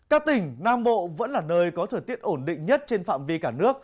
các tỉnh nam bộ vẫn là nơi có thời tiết ổn định nhất trên phạm vi cả nước